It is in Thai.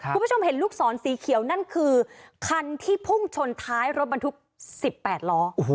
คุณผู้ชมเห็นลูกศรสีเขียวนั่นคือคันที่พุ่งชนท้ายรถบรรทุก๑๘ล้อ